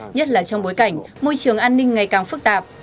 nhất là trong bối cảnh môi trường an ninh ngày càng phức tạp